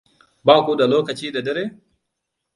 Ba ku da lokaci da dare?